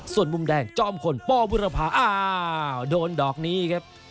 ส่วนปุ่มแดงจ้อมคนพอบุรภาอ้าวโดนดอกนีครับ